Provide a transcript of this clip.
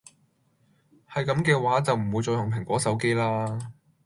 係咁既話就唔會再用蘋果手機啦